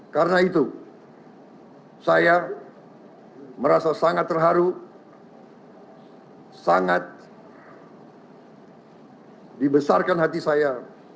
karena itu saya merasa sangat terharu sangat dibesarkan hati saya